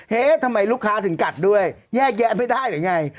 ทำไมลูกค้าถึงกัดด้วยแยกแยะไม่ได้หรือไง